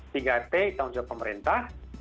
tiga t tanggung jawab pemerintah